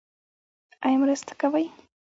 ایا مرسته کوئ؟